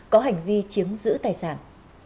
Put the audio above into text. có hành vi chiếm giữ tài sản